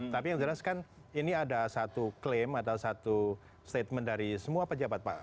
tapi yang jelas kan ini ada satu klaim atau satu statement dari semua pejabat pak